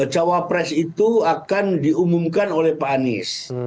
cawapres itu akan diumumkan oleh pak anies